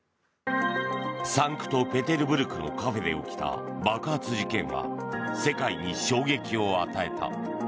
サンクトペテルブルクのカフェで起きた爆発事件は世界に衝撃を与えた。